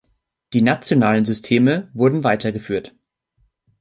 Die nationalen Systeme wurden weitergeführt.